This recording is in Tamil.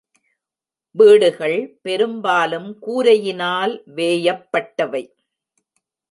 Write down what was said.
வீடுகள் பெரும்பாலும் கூரையினால் வேயப்பட்டவை.